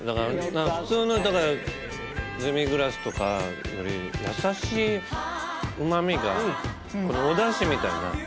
普通のだからデミグラスとかより優しいうまみがおだしみたいな。